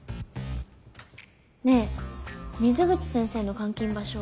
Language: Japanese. ねえ水口先生の監禁場所